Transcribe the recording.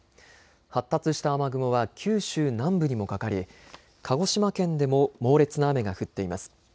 発達した雨雲は九州南部にもかかり鹿児島県でも猛烈な雨が降っています。